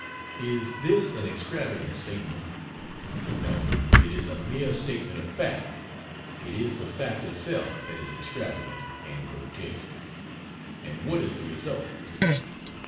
Is this an extravagant statement? No, it is a mere statement of fact. It is the fact itself that is extravagant and grotesque. And what is the result?